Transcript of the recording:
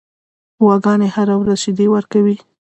غواګانې هره ورځ شیدې ورکوي.